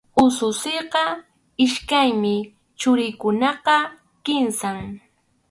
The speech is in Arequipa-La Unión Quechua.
Ususiyqa iskaymi, churiykunataq kimsam.